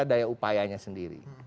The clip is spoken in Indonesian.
itu adalah daya upayanya sendiri